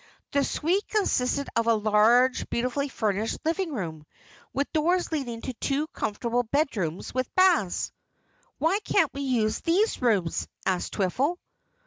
The suite consisted of a large, beautifully furnished living room, with doors leading to two comfortable bedrooms with baths. "Why can't we use these rooms?" asked Twiffle.